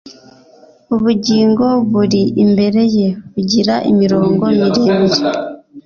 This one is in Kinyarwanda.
Ubugingo buri imbere ye bugira imirongo miremire